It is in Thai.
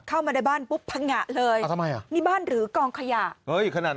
เข้ามาในบ้านปุ๊บพังงะเลยอ่าทำไมอ่ะนี่บ้านหรือกองขยะเฮ้ยขนาดนั้น